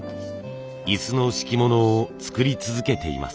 椅子の敷物を作り続けています。